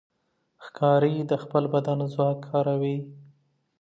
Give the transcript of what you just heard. ښکاري د خپل بدن ځواک کاروي.